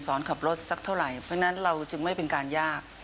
ขับรถสักเท่าไหร่เพราะฉะนั้นเราจึงไม่เป็นการยาก